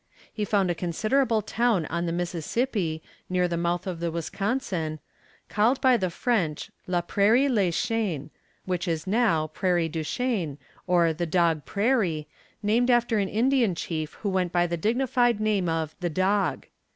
He found a considerable town on the Mississippi, near the mouth of the Wisconsin, called by the French "La Prairie les Chiens," which is now Prairie du Chien, or the Dog Prairie, named after an Indian chief who went by the dignified name of "The Dog."